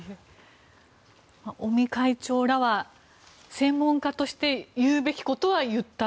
尾身会長らは専門家として言うべきことは言った。